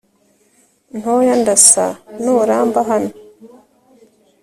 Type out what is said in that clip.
ntoya ndasa nuramba hano